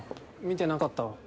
見てなかったわ。